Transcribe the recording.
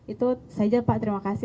itu saja pak terima kasih